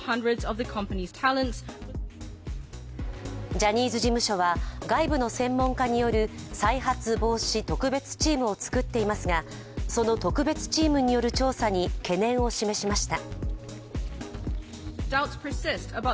ジャニーズ事務所は外部の専門家による再発防止特別チームを作っていますが、その特別チームによる調査に懸念を示しました。